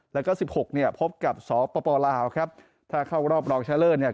แล้วก็สิบหกเนี่ยพบกับสปลาวครับถ้าเข้ารอบรองชะเลิศเนี่ย